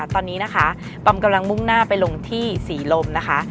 ตอนนี้นะคะปอมกำลังมุ่งหน้าไปลงที่ศรีลมนะคะ